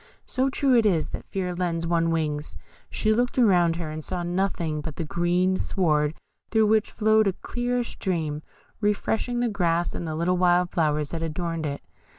So true it is that fear lends one wings. She looked around her, and saw nothing but that green sward, through which flowed a clear stream, refreshing the grass and the little wild flowers that adorned it.